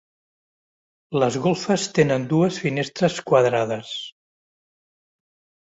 Les golfes tenen dues finestres quadrades.